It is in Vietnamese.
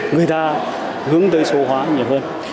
người ta hướng tới số hóa nhiều hơn